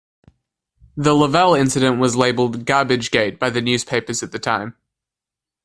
The Lavelle incident was labeled "Garbagegate" by the newspapers at the time.